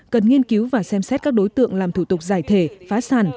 cần nghiên cứu và xem xét các đối tượng làm thủ tục giải thể phá sản